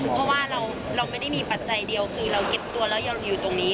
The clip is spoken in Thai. เพราะว่าเราไม่ได้มีปัจจัยเดียวคือเราเก็บตัวแล้วเราอยู่ตรงนี้